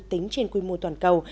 tính trên quy mô toàn cầu